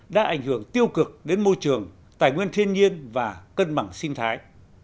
đã ảnh hưởng tiêu cực đến môi trường tài nguyên thiên nhiên và cân bằng sinh thái